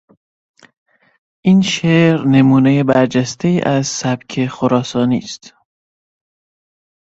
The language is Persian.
این شعر نمونهی برجستهای از سبک خراسانی است.